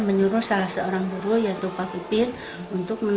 dan selesai ke bangku sekolah sudah dilakukan